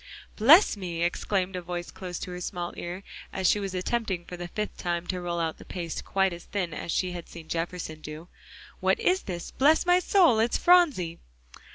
"Bless me!" exclaimed a voice close to her small ear, as she was attempting for the fifth time to roll out the paste quite as thin as she had seen Jefferson do, "what is this? Bless my soul! it's Phronsie!"